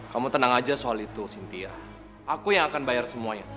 kamu tenang aja soal itu cynthia aku yang akan bayar semuanya